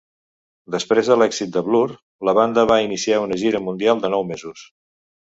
Després de l'èxit de "Blur", la banda va iniciar una gira mundial de nou mesos.